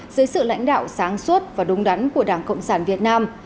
dưới sự lãnh đạo sáng suốt và đúng đắn của đảng cộng sản việt nam